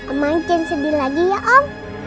om ancen sedih lagi ya om